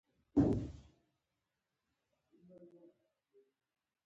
له منځه تلل یې پنځه دقیقې هم نه نیسي.